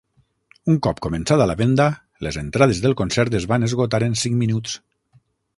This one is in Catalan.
Un cop començada la venda, les entrades del concert es van esgotar en cinc minuts.